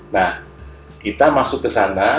nah kita masuk ke sana